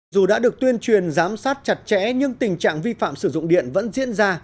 dù đã được tuyên truyền giám sát chặt chẽ nhưng tình trạng vi phạm sử dụng điện vẫn diễn ra